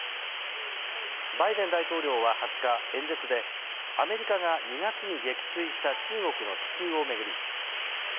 バイデン大統領は２０日、演説でアメリカが２月に撃墜した中国の気球を巡り習